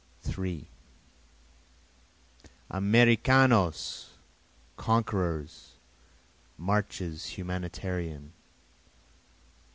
3 Americanos! conquerors! marches humanitarian!